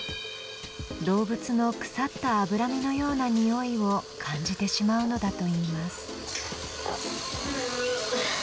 動物の腐った脂身のようなにおいを感じてしまうのだといいます。